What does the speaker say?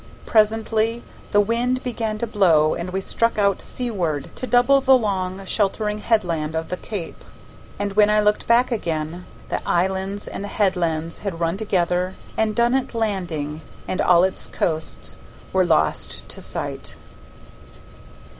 Presently the wind began to blow and we struck out seaward to double the long sheltering headland of the cape, and when I looked back again, the islands and the headland had run together and Dunnet Landing and all its coasts were lost to sight.